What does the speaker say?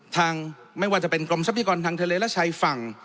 ไม่ว่าจะเป็นกรมทรัพยากรทางทะเลและชายฝั่ง